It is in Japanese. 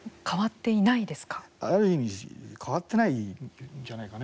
ある意味変わってないんじゃないかね